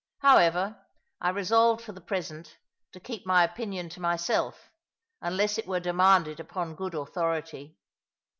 However, I resolved, for the present, to keep my opinion to myself, unless it were demanded upon good authority.